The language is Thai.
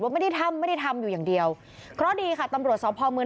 ไม่ได้ทำไม่ได้ทำอยู่อย่างเดียวเพราะดีค่ะตำรวจสพเมือง